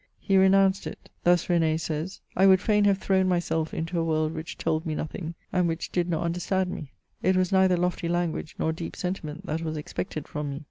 He renounced it. Thus R^n^ says :I would fain have thrown myself into a world which told me nothing, and which did not understand me : it was neither lofty language nor deep senti ment that was expected from me.